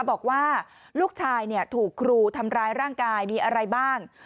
บอกว่าลูกชายถูกครูทำร้ายร่างกายมีอะไรบ้าง